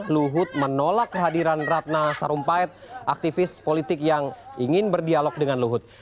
luhut menolak kehadiran ratna sarumpait aktivis politik yang ingin berdialog dengan luhut